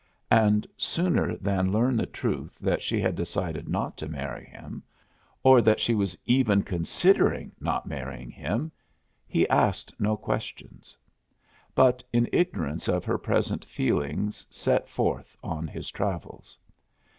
And, sooner than learn the truth that she had decided not to marry him, or that she was even considering not marrying him, he asked no questions, but in ignorance of her present feelings set forth on his travels.